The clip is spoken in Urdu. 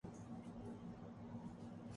لڑکا کرسی پہ بیٹھا ہوا ہے۔